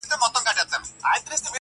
o خدایه دې ماښام ته ډېر ستوري نصیب کړې,